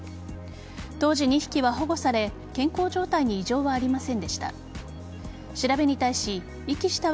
当時、２匹は保護され健康状態に異常はありませんでした。